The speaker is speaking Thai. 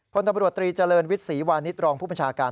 พลตำรวจตรีเจริญวิทย์ศรีวานิสรองผู้บัญชาการ